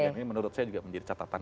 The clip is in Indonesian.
dan ini menurut saya juga menjadi catatan